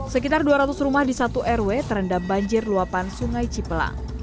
sekitar dua ratus rumah di satu rw terendam banjir luapan sungai cipelang